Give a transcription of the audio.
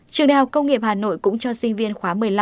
trường đại học công nghiệp hà nội cũng cho sinh viên khóa một mươi năm